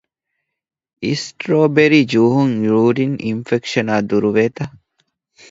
އިސްޓްރޯބެރީ ޖޫހުން ޔޫރިން އިންފެކްޝަނާ ދުރުވޭތަ؟